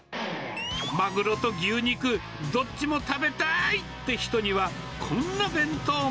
マグロと牛肉、どっちも食べたいって人には、こんな弁当も。